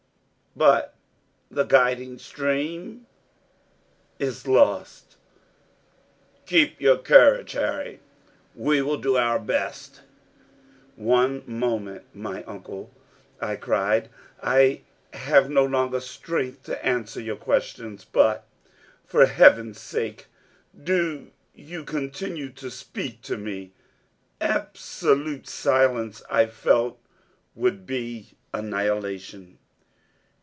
.......... "But the guiding stream?" .......... "Is lost!" .......... "Keep your courage, Harry. We will do our best." .......... "One moment, my uncle," I cried; "I have no longer strength to answer your questions. But for heaven's sake do you continue to speak to me!" Absolute silence, I felt, would be annihilation.